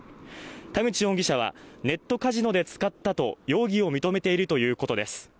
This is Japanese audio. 田口容疑者は、ネットカジノで使ったと容疑を認めているということです。